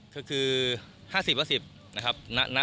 ก็คือ๕๐นาที